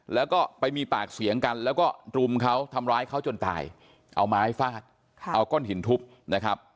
แล้วก็ไปมีปากเสียงกันแล้วก็รุมเขาทำร้ายเขาจนตายเอาไม้ฟาดเอาก้อนหินทุบนะครับ